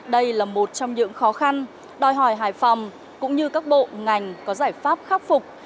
đây là một trong những khó khăn đòi hỏi hải phòng cũng như các bộ ngành có giải pháp khắc phục